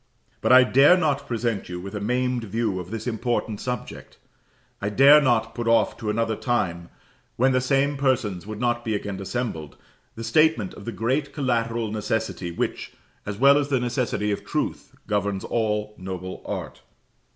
But I dare not present you with a maimed view of this important subject: I dare not put off to another time, when the same persons would not be again assembled, the statement of the great collateral necessity which, as well as the necessity of truth, governs all noble art.